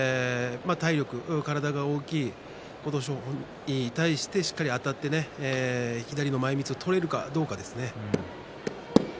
体が大きい琴勝峰に対してしっかりとあたって左の前みつが取れるかどうかですね。